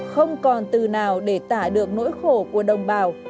không còn từ nào để tả được nỗi khổ của đồng bào